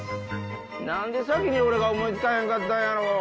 何で先に俺が思い付かへんかったんやろう。